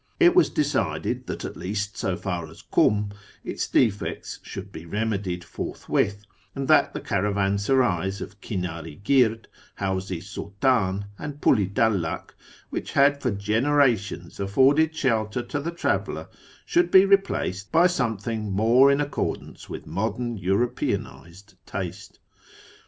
It was decided that, at least so far as Kum, its defects should be remedied forthwith, and that the caravansarays of Kinar i gird, Hawz i Sultan, and Pul i Dallak, whicli had for generations afforded shelter to the traveller, should be replaced by some thing more in accordance with modern Europeanised taste.